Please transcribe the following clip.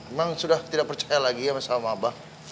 emang sudah tidak percaya lagi sama sama abah